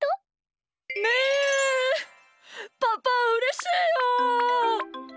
パパうれしいよ！